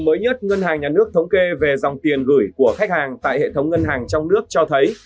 mới nhất ngân hàng nhà nước thống kê về dòng tiền gửi của khách hàng tại hệ thống ngân hàng trong nước cho thấy